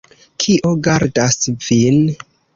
Kio gardas vin?